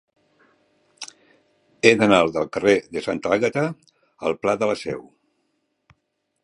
He d'anar del carrer de Santa Àgata al pla de la Seu.